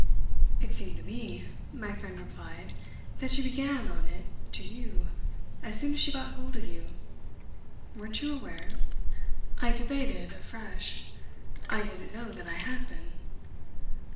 "It seemed to me," my friend replied, "that she began on it to you as soon as she got hold of you. Weren't you aware?" I debated afresh; I didn't know that I had been.